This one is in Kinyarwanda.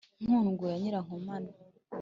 nkundwa ya nyirankomane